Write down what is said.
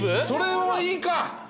それもいいか。